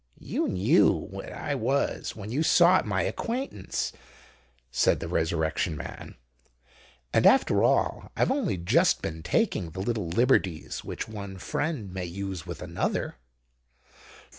"You knew what I was when you sought my acquaintance," said the Resurrection Man; "and after all, I've only just been taking the little liberties which one friend may use with another."